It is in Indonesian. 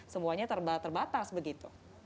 semuanya terbatas begitu